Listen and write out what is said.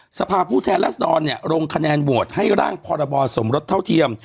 นะครับสภาพูดแทนลักษณ์เนี่ยลงคะแนนโหวตให้ร่างพรบรสมรถเท่าเทียม